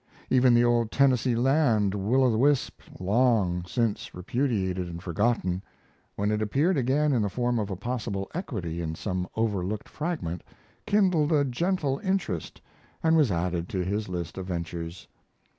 Even the old Tennessee land will o' the wisp long since repudiated and forgotten when it appeared again in the form of a possible equity in some overlooked fragment, kindled a gentle interest, and was added to his list of ventures.